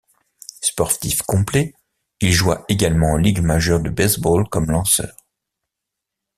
Sportif complet, il joua également en Ligue majeure de baseball comme lanceur.